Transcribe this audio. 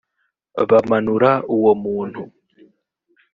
bamanura uwo muntu